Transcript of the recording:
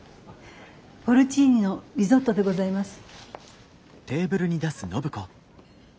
ポルチーニのリゾットでございます。